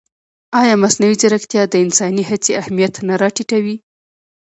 ایا مصنوعي ځیرکتیا د انساني هڅې اهمیت نه راټیټوي؟